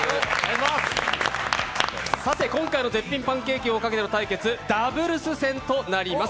今回の絶品パンケーキをかけての対決、ダブルス戦となります。